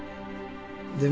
でも